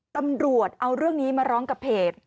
ตำรวจเอาเรื่องนี้มาร้องกับเพจ